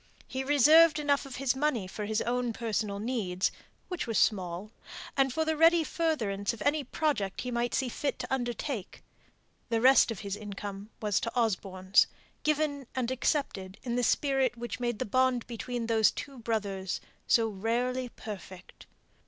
He reserved enough of money for his own personal needs, which were small, and for the ready furtherance of any project he might see fit to undertake; the rest of his income was Osborne's; given and accepted in the spirit which made the bond between these two brothers so rarely perfect.